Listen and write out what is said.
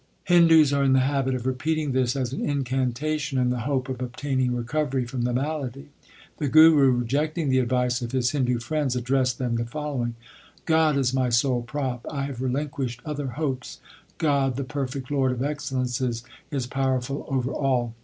Hindus are in the habit of repeating this as an incantation in the hope of obtaining recovery from the malady. The Guru rejecting the advice of his Hindu friends addressed them the following : God is my sole prop ; I have relinquished other hopes. God, the perfect Lord of excellences, is powerful over all.